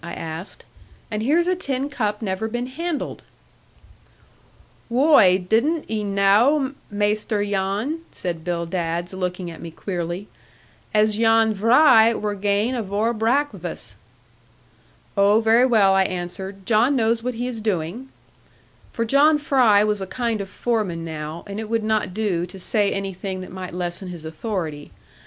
I asked; 'and here's a tin cup never been handled!' 'Whoy, dudn't ee knaw, Maister Jan,' said Bill Dadds, looking at me queerly, 'as Jan Vry wur gane avore braxvass.' 'Oh, very well,' I answered, 'John knows what he is doing.' For John Fry was a kind of foreman now, and it would not do to say anything that might lessen his authority.